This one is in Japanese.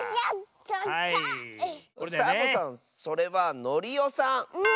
サボさんそれはノリオさん！